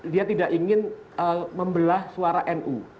dia tidak ingin membelah suara nu